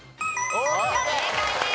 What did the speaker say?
正解です。